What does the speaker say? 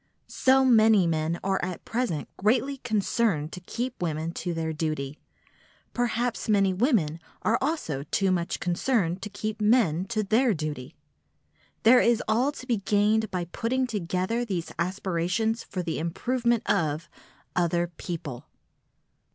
So many men are at present greatly concerned to keep women to their duty; perhaps many women are also too much concerned to keep men to their duty. There is all to be gained by putting together these aspirations for the improvement of—other people!